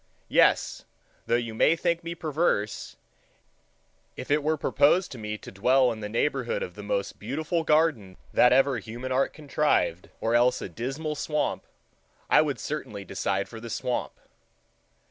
Yes, though you may think me perverse, if it were proposed to me to dwell in the neighborhood of the most beautiful garden that ever human art contrived, or else of a dismal swamp, I should certainly decide for the swamp.